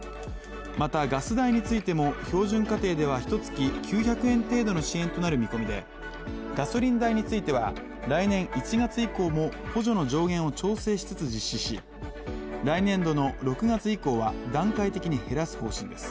また、ガス代についても標準家庭ではひとつき９００円程度の支援となる見込みでガソリン代については、来年１月以降も補助の上限を調整しつつ実施し来年度の６月以降は段階的に減らす方針です。